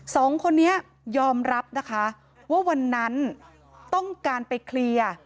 สองคนนี้ยอมรับนะคะว่าวันนั้นต้องการไปเคลียร์